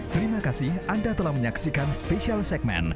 terima kasih anda telah menyaksikan special segmen